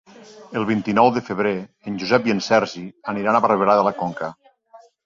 El vint-i-nou de febrer en Josep i en Sergi aniran a Barberà de la Conca.